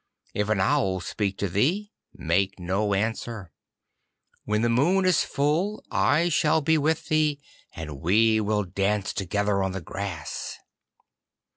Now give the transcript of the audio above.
If an owl speak to thee, make it no answer. When the moon is full I shall be with thee, and we will dance together on the grass.